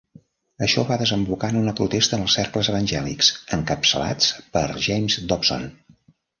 Això va desembocar en una protesta en els cercles evangèlics, encapçalats per James Dobson.